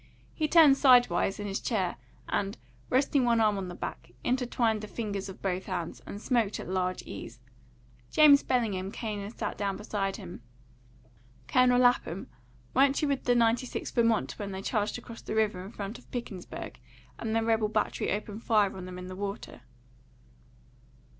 He turned sidewise in his chair and, resting one arm on the back, intertwined the fingers of both hands, and smoked at large ease. James Bellingham came and sat down by him. "Colonel Lapham, weren't you with the 96th Vermont when they charged across the river in front of Pickensburg, and the rebel battery opened fire on them in the water?"